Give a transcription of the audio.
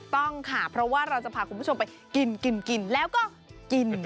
ต้องค่ะเพราะว่าเราจะพาคุณผู้ชมไปกินกินแล้วก็กิน